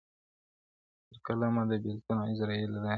تر قلمه د بېلتون عزرایل راسي--!